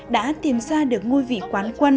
đã tìm ra được ngôi vị quán quân